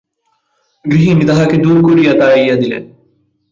গৃহিণী তাহাকে দূর করিয়া তাড়াইয়া দিলেন।